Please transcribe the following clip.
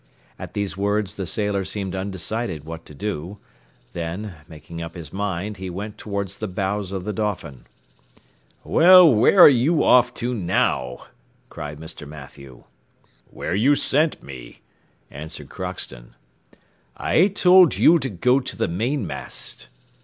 At these words the sailor seemed undecided what to do; then, making up his mind, he went towards the bows of the Dolphin. "Well, where are you off to now?" cried Mr. Mathew. "Where you sent me," answered Crockston. "I told you to go to the mainmast."